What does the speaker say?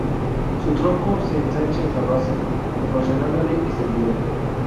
Su tronco se ensancha en la base, proporcionándole estabilidad.